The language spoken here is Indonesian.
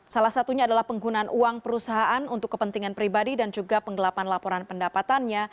salah satunya adalah penggunaan uang perusahaan untuk kepentingan pribadi dan juga penggelapan laporan pendapatannya